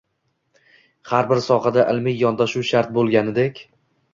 Har bir sohada ilmiy yondashuv shart bo‘lganidek